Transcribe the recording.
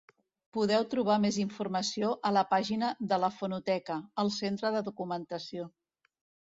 Podeu trobar més informació a la pàgina de la Fonoteca, al Centre de documentació.